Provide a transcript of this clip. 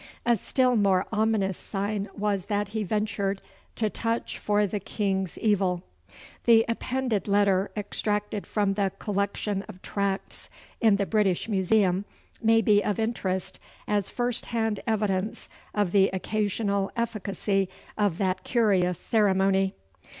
A still more ominous sign was that he ventured to touch for the king's evil. The appended letter, extracted from the collection of tracts in the British Museum, may be of interest as first hand evidence of the occasional efficacy of that curious ceremony.